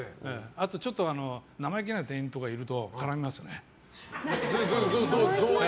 あとちょっと生意気な店員とかいるとそれは、どういう。